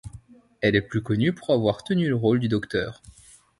Elle est plus connue pour avoir tenu le rôle du Dr.